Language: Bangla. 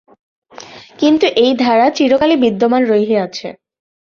কিন্তু এই ধারা চিরকালই বিদ্যমান রহিয়াছে।